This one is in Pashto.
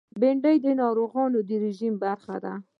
بېنډۍ د ناروغانو د رژیم برخه ده